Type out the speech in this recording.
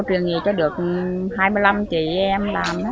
truyền nghề cho được hai mươi năm chị em làm